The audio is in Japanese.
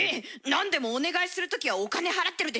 なんでもお願いするときはお金払ってるでしょ？